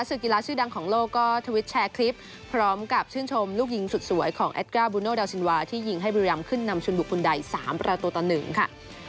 ศึกอีราชชื่อดังของโลกก็ทวิทช์แชร์คลิปพร้อมกับชื่นชมลูกยิงสุดสวยของแอดการ์บูนโนดัลซินวาร์ที่ยิงให้บริยามขึ้นนำชุนบุคคุณใดสามประตูต่อหนึ่งค่ะ